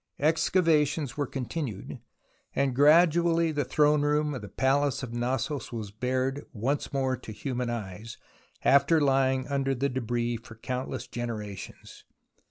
Excavations were continued, and gradually the throne room of the Palace of Knossos was bared once more to human eyes, after Ijdng under the debris for countless generations.